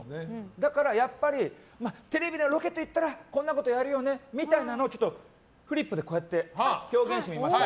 だからやっぱりロケといったらこんなことやるよねっていうのをフリップで表現してみました。